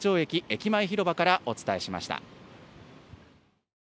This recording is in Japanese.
駅前広場からお伝えしました。